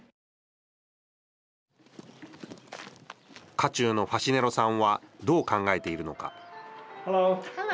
渦中のファシネロさんはどう考えているのか。